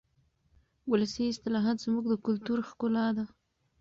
ولسي اصطلاحات زموږ د کلتور ښکلا ده.